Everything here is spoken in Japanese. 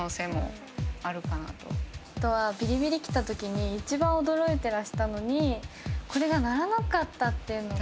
あとはビリビリきた時に一番驚いてらしたのにこれが鳴らなかったっていうのが。